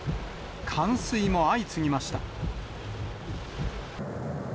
冠水も相次ぎました。